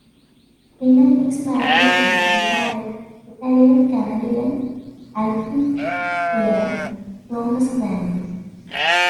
Renner is married to retired Italian-Canadian alpine skier Thomas Grandi.